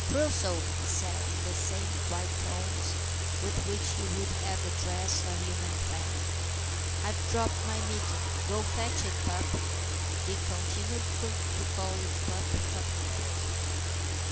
"Crusoe," he said, in the same quiet tones with which he would have addressed a human friend, "I've dropped my mitten; go fetch it, pup." Dick continued to call it "pup" from habit.